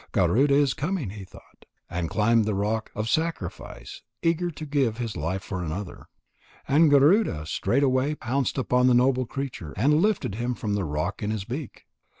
"Garuda is coming," he thought, and climbed the rock of sacrifice, eager to give his life for another. And Garuda straightway pounced upon the noble creature and lifted him from the rock in his beak.